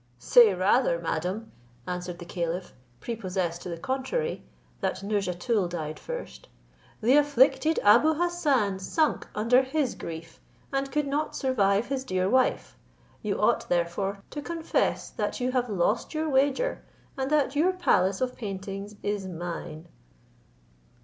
"Say rather, madam," answered the caliph, prepossessed to the contrary, that Nouzhatoul aoudat died first, "the afflicted Abou Hassan sunk under his grief, and could not survive his dear wife; you ought, therefore, to confess that you have lost your wager, and that your palace of paintings is mine."